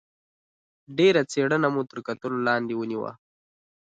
ډېره څېړنه مو تر کتلو لاندې ونیوه.